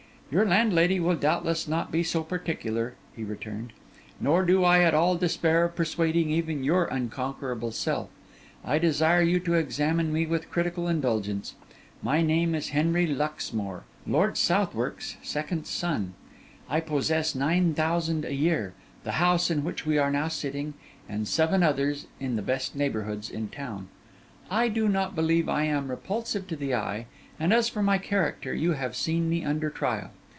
'Your landlady will doubtless not be so particular,' he returned; 'nor do I at all despair of persuading even your unconquerable self. I desire you to examine me with critical indulgence. My name is Henry Luxmore, Lord Southwark's second son. I possess nine thousand a year, the house in which we are now sitting, and seven others in the best neighbourhoods in town. I do not believe I am repulsive to the eye, and as for my character, you have seen me under trial.